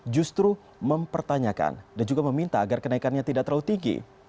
justru mempertanyakan dan juga meminta agar kenaikannya tidak terlalu tinggi